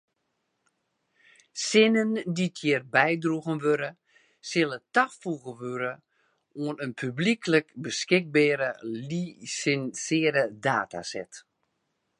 Sinnen dy’t hjir bydroegen wurde sille tafoege wurde oan in publyklik beskikbere lisinsearre dataset.